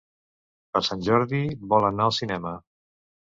Per Sant Jordi vol anar al cinema.